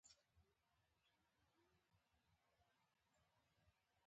بزګر د فصلونو نغمه پیژني